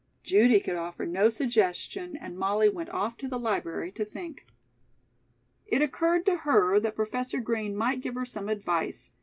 Judy could offer no suggestion and Molly went off to the Library to think. It occurred to her that Professor Green might give her some advice.